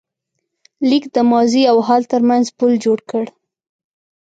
لیک د ماضي او حال تر منځ پُل جوړ کړ.